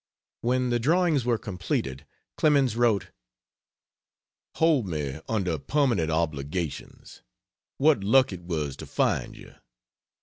When the drawings were completed, Clemens wrote: "Hold me under permanent obligations. What luck it was to find you!